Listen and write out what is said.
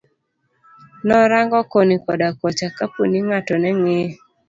Norang'o koni koda kocha kaponi ngato neng'iye.